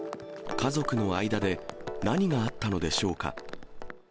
家族の間で何があったのでしょうか。